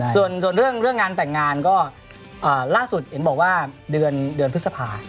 ส่วนเรื่องงานแต่งงานก็ล่าสุดเห็นบอกว่าเดือนพฤษภา